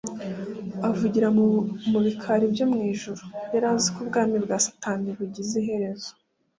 avugira mu bikari byo mu ijuru. Yari azi ko ubwami bwa Satani bugize iherezo